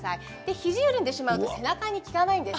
肘が緩んでしまうと背中につかないんです。